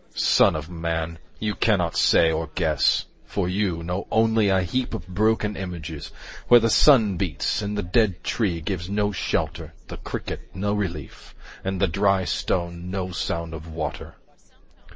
Son of man, 20 You cannot say, or guess, for you know only A heap of broken images, where the sun beats, And the dead tree gives no shelter, the cricket no relief, And the dry stone no sound of water.